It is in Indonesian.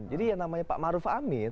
jadi yang namanya pak maruf amin